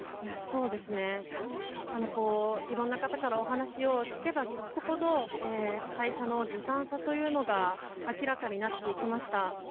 いろんな方からお話を聞けば聞くほど会社のずさんさというのが明らかになっていきました。